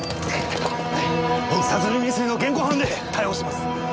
殺人未遂の現行犯で逮捕します。